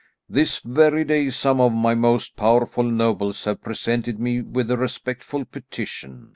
This very day some of my most powerful nobles have presented me with a respectful petition.